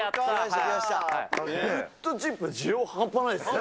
ウッドチップの需要、半端ないですね。